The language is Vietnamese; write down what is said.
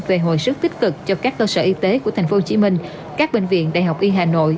về hồi sức tích cực cho các cơ sở y tế của tp hcm các bệnh viện đại học y hà nội